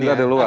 tidak di luar